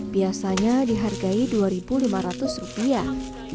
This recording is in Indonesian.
biasanya dihargai dua lima ratus rupiah